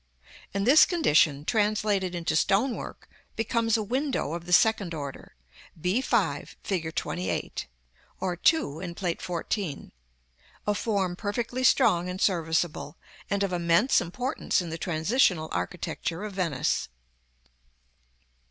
And this condition, translated into stone work, becomes a window of the second order (_b_5, Fig. XXVIII., or 2, in Plate XIV.); a form perfectly strong and serviceable, and of immense importance in the transitional architecture of Venice.